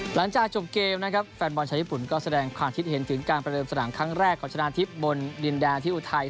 หลังจากจบเกมนะครับแฟนบอลชาวญี่ปุ่นก็แสดงความคิดเห็นถึงการประเดิมสนามครั้งแรกของชนะทิพย์บนดินแดนที่อุทัย